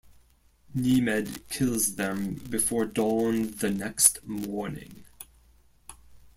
Nemed kills them before dawn the next morning.